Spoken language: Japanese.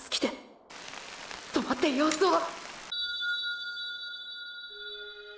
止まって様子をーー！！